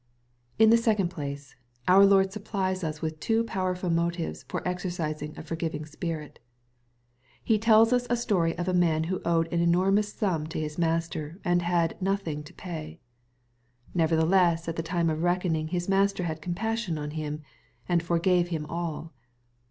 In the second place, our Lord supplies us with two powerful motives for eocercising a forgiving spirit He tells us a story of a man who owed an enormous sum to his master, and had*" nothing to pay." Nevertheless at the time of reckoning his master had compassion on him, and " forgave him all."